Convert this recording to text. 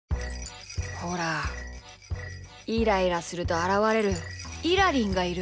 ほらイライラするとあらわれるイラりんがいる。